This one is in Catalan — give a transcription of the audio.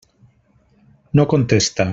No contesta.